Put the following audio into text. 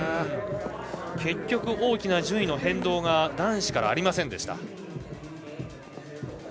結局、大きな順位の変動が男子からありませんでした。